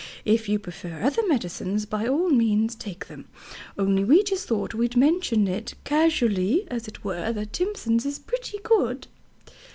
If you prefer other medicines, by all means take them. Only we just thought we'd mention it casually, as it were that TIMSON'S is PRETTY GOOD.